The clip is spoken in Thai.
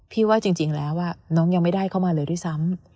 ว่าจริงแล้วน้องยังไม่ได้เข้ามาเลยด้วยซ้ำ